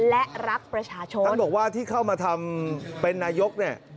และรักประชาชนท่านบอกว่าที่เข้ามาทำเป็นนายกเนี่ย